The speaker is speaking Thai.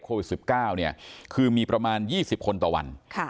โควิด๑๙คือมีประมาณ๒๐คนต่อวัน